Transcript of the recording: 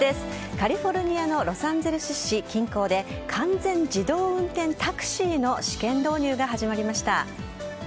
カリフォルニアのロサンゼルス市近郊で完全自動運転タクシーの試験導入が始まりました。